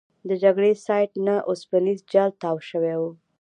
د جګړې سایټ نه اوسپنیز جال تاو شوی.